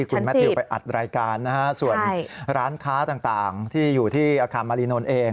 คุณแมททิวไปอัดรายการนะฮะส่วนร้านค้าต่างที่อยู่ที่อาคารมารีนนท์เอง